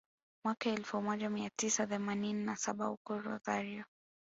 mwaka elfu moja mia tisa themanini na saba huko Rosario